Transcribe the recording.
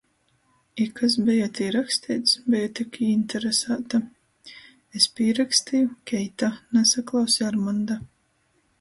"I kas beja tī raksteits?" beju tik īinteresāta! "Es pīraksteju: "Keita! Nasaklausi Armanda!